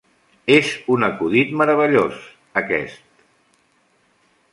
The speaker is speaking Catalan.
És un acudit meravellós, aquest.